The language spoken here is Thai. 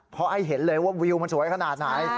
เพราะให้เห็นเลยว่าวิวมันสวยขนาดไหน